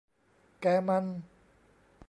แกมัน